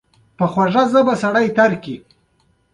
مزد د هغه کار بیه ده چې کارګر یې ترسره کوي